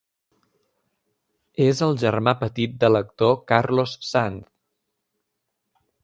És el germà petit de l'actor Carlos Sanz.